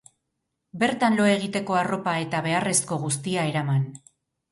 Bertan lo egiteko arropa eta beharrezko guztia eraman.